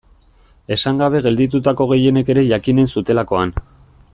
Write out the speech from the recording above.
Esan gabe gelditutako gehienek ere jakinen zutelakoan.